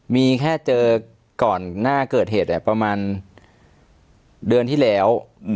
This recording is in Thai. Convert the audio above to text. มีแค่เจอก่อนหน้าเกิดเหตุประมาณเดือนที่แล้ว